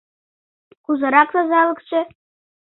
— Кузерак тазалыкше?